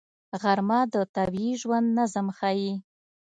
غرمه د طبیعي ژوند نظم ښيي